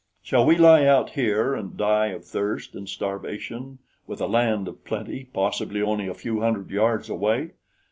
Shall we lie out here and die of thirst and starvation with a land of plenty possibly only a few hundred yards away?